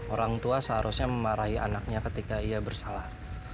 orang tua seharusnya memarahi anaknya ketika ia bersalah